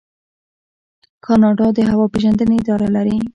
کاناډا د هوا پیژندنې اداره لري.